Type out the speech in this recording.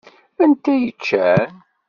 Anta i yeččan?